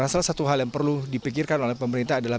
dan satu hal yang perlu dipikirkan oleh pemerintah adalah